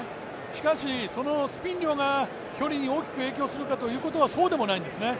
しかしそのスピン量が距離に大きく影響するかというとそうでもないんですね。